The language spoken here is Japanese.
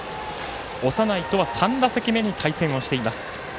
長内とは３打席目に対戦をしています。